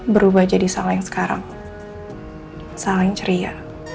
berubah jadi sal yang sekarang sal yang ceria